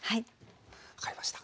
分かりました。